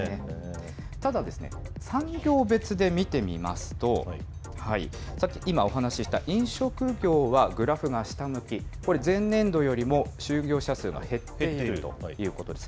ただ、産業別で見てみますと、今お話しした飲食業はグラフが下向き、これ前年度よりも、就業者数が減っているということです。